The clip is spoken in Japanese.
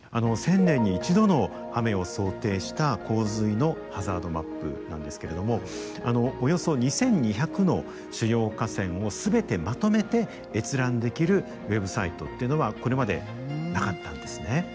１０００年に１度の雨を想定した洪水のハザードマップなんですけれどもおよそ２，２００の主要河川を全てまとめて閲覧できるウェブサイトっていうのはこれまでなかったんですね。